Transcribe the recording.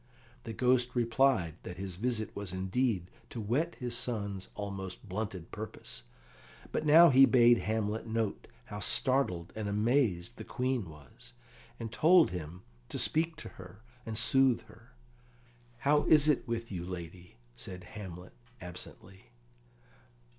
The Ghost replied that his visit was indeed to whet his son's almost blunted purpose. But now he bade Hamlet note how startled and amazed the Queen was, and told him to speak to her and soothe her. "How is it with you, lady?" said Hamlet absently.